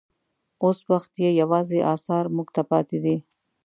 اوس وخت یې یوازې اثار موږ ته پاتې دي.